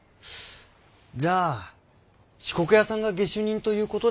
じゃあ四国屋さんが下手人ということで。